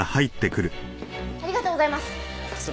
ありがとうございます。